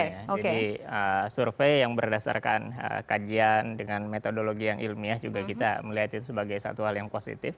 jadi survei yang berdasarkan kajian dengan metodologi yang ilmiah juga kita melihat itu sebagai satu hal yang positif